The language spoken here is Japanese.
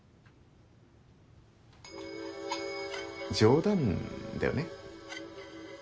冗談だよね？